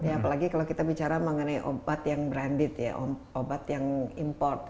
apalagi kalau kita bicara mengenai obat yang branded ya obat yang import